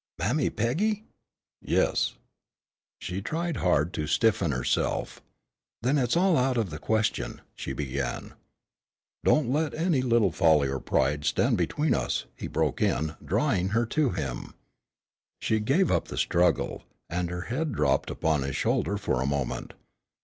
"Mammy Peggy!" "Yes." She tried hard to stiffen herself. "Then it is all out of the question," she began. "Don't let any little folly or pride stand between us," he broke in, drawing her to him. She gave up the struggle, and her head dropped upon his shoulder for a moment.